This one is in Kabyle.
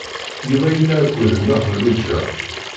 Yuba yella akked Nna Xelluǧa.